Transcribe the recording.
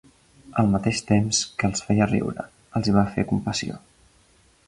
Al mateix temps que els feia riure, els hi va fer compassió.